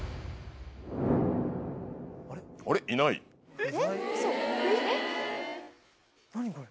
あれ？